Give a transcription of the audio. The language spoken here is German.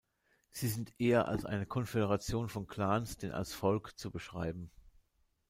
Sie sind eher als eine Konföderation von Clans denn als Volk zu beschreiben.